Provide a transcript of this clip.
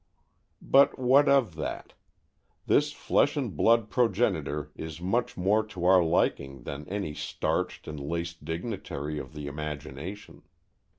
But what of that? This flesh and blood progenitor is much more to our liking than any starched and laced dignitary of the imagination.